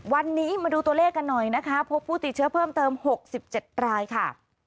วันนี้มาดูตัวเลขกันหน่อยนะคะพบผู้ติดเชื้อเพิ่มเติม๖๗รายค่ะ